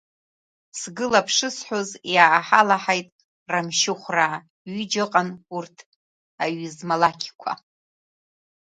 Сгылап шысҳәоз иааҳалаҳаит Рамшьыхәраа, ҩыџьа ыҟан урҭ, аҩызмалақьқәа.